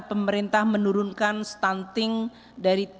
pemerintah menurunkan stunting dari tiga puluh tujuh dua